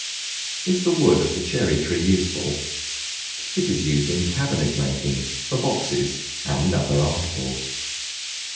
Is the wood of the Cherry Tree useful? It is used in cabinet making, for boxes, and other articles.